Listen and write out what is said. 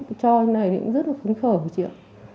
cho thế này cũng rất là phấn khởi chị ạ